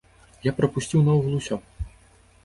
Я прапусціў наогул усё!